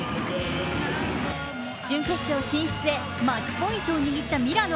準決勝進出へマッチポイントを握ったミラノ。